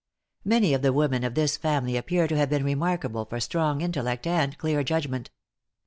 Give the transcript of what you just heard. Many of the women of this family appear to have been remarkable for strong intellect and clear judgment.